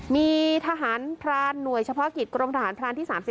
มีทหารพรานหน่วยเฉพาะกิจกรมทหารพรานที่๓๐